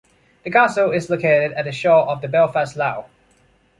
The castle is located at the shore of the Belfast Lough.